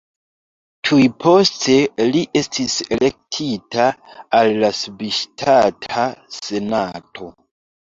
Tuj poste li estis elektita al la subŝtata senato.